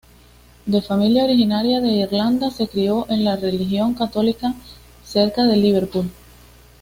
De familia originaria de Irlanda, se crio en la religión católica cerca de Liverpool.